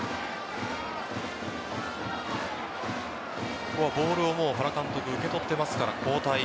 ここはボールを原監督は受け取っていますから交代。